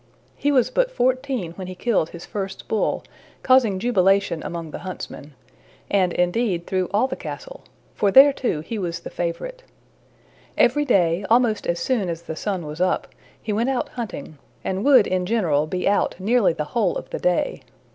He was but fourteen when he killed his first bull, causing jubilation among the huntsmen, and indeed, through all the castle, for there too he was the favorite. Every day, almost as soon as the sun was up, he went out hunting, and would in general be out nearly the whole of the day.